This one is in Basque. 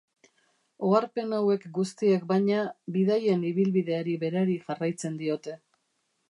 Oharpen hauek guztiek, baina, bidaien ibilbideari berari jarraitzen diote.